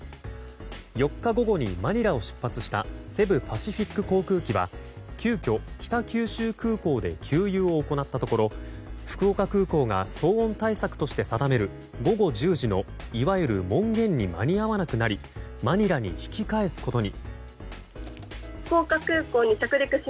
４日午後にマニラを出発したセブ・パシフィック航空機は急きょ、北九州空港で給油を行ったところ福岡空港が騒音対策として定める午後１０時のいわゆる門限に間に合わなくなりマニラに引き返すことに。